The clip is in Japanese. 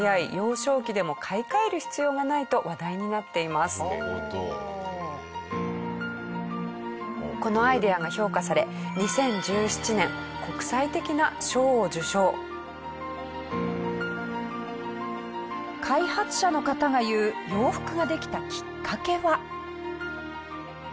まさにこのアイデアが評価され開発者の方が言う洋服ができたきっかけは。